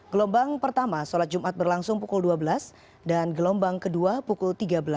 gelombang pertama sholat jumat berlangsung pukul dua belas dan gelombang kedua pukul tiga belas